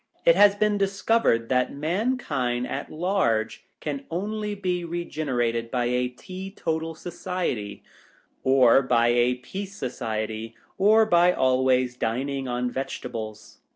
It has been discovered that mankind at large can only be regenerated by a Tee total Society, or by a Peace Society, or by always dining on Vegetables.